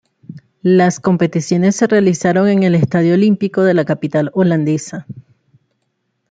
Las competiciones se realizaron en el Estadio Olímpico de la capital holandesa.